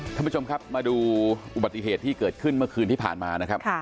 ท่านผู้ชมครับมาดูอุบัติเหตุที่เกิดขึ้นเมื่อคืนที่ผ่านมานะครับ